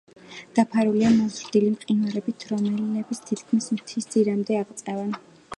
დაფარულია მოზრდილი მყინვარებით, რომლებიც თითქმის მთის ძირამდე აღწევენ.